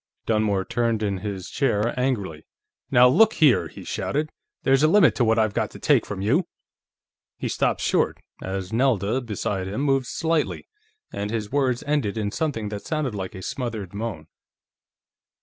Dunmore turned in his chair angrily. "Now, look here!" he shouted. "There's a limit to what I've got to take from you...." He stopped short, as Nelda, beside him, moved slightly, and his words ended in something that sounded like a smothered moan.